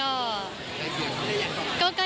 ใกล้เคียงค่ะได้ยังไหม